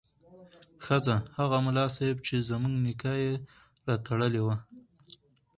ښځه: هغه ملا صیب چې زموږ نکاح یې راتړلې وه